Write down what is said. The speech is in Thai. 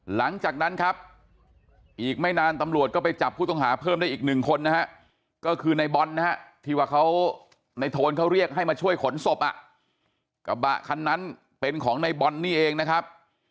หลังจากนั้นครับอีกไม่นานตำรวจก็ไปจับผู้ต้องหาเพิ่มได้อีกหนึ่งคนนะฮะก็คือในบอลนะฮะที่ว่าเขาในโทนเขาเรียกให้มาช่วยขนศพอ่ะกระบะคันนั้นเป็นของในบอลนี่เองนะครับ